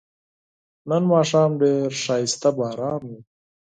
نن ماښام ډیر خایسته باران و